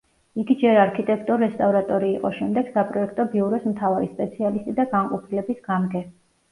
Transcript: იგი ჯერ არქიტექტორ-რესტავრატორი იყო, შემდეგ საპროექტო ბიუროს მთავარი სპეციალისტი და განყოფილების გამგე.